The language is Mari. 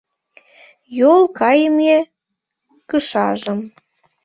Йол кайыме кышажым